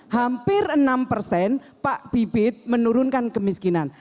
hampir enam persen pak bibit menurunkan kemiskinan